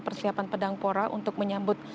persiapan pedang pora untuk menyambut